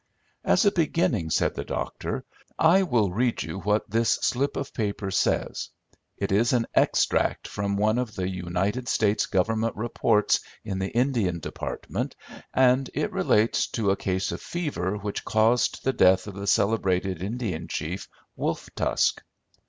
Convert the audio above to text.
"As a beginning," said the doctor, "I will read you what this slip of paper says. It is an extract from one of the United States Government Reports in the Indian department, and it relates to a case of fever, which caused the death of the celebrated Indian chief Wolf Tusk.